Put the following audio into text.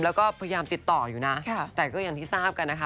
แล้วก็พยายามติดต่ออยู่นะแต่ก็อย่างที่ทราบกันนะคะ